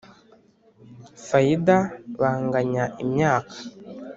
fayida banganya imyaka